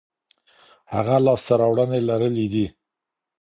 هغه لاسته راوړنې لرلي دي.